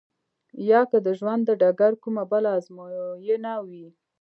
يا که د ژوند د ډګر کومه بله ازموينه وي.